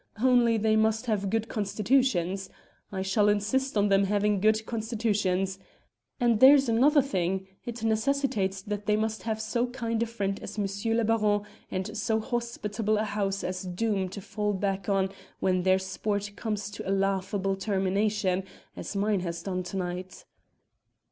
Only they must have good constitutions; I shall insist on them having good constitutions. And there's another thing it necessitates that they must have so kind a friend as Monsieur le Baron and so hospitable a house as Doom to fall back on when their sport comes to a laughable termination, as mine has done to night."